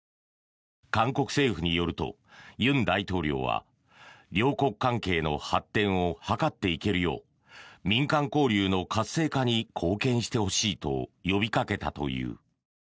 韓国政府によると尹大統領は両国関係の発展を図っていけるよう民間交流の活性化に貢献してほしいと呼びかけたという。